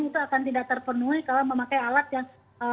itu akan tidak terpenuhi kalau memakai alat yang